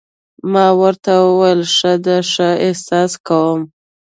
ما ورته وویل: ښه ده، ښه احساس کوم.